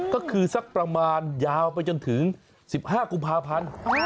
ก็คือสักประมาณยาวไปจนถึง๑๕กุมภาพันธ์